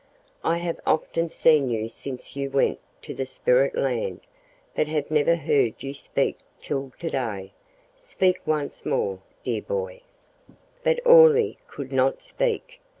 I have often seen you since you went to the spirit land, but have never heard you speak till to day. Speak once more, dear boy!" But Orley could not speak.